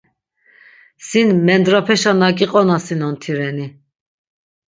Sin mendrapeşa na giqonasinon tireni.